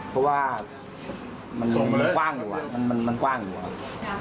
เพราะว่ามันกว้างอยู่